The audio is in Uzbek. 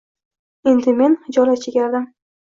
Endi men xijolat chekardim